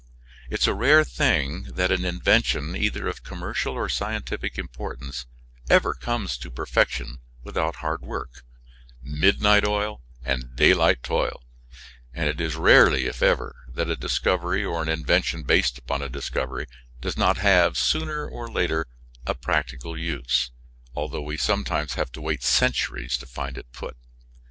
It is a rare thing that an invention, either of commercial or scientific importance, ever comes to perfection without hard work midnight oil and daylight toil; and it is rarely, if ever, that a discovery or an invention based upon a discovery does not have, sooner or later, a practical use, although we sometimes have to wait centuries to find it put.